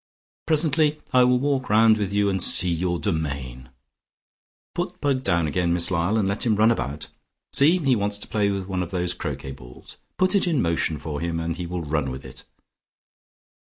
Presently I will walk around with you and see your domain. Put Pug down again, please, Miss Lyall, and let him run about. See, he wants to play with one of those croquet balls. Put it in motion for him, and he will run with it.